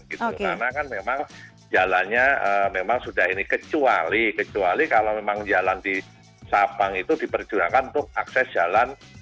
karena kan memang jalannya memang sudah ini kecuali kalau memang jalan di sabang itu diperjuangkan untuk akses jalan